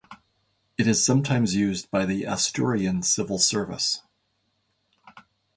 It is sometimes used by the Asturian civil service.